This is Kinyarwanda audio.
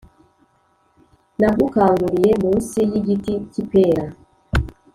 Nagukanguriye mu nsi y’igiti cy’ipera,